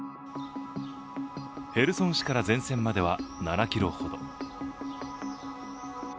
ヘルソン市から前線までは７ｋｍほど。